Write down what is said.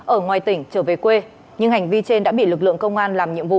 ở ngoài tỉnh trở về quê nhưng hành vi trên đã bị lực lượng công an làm nhiệm vụ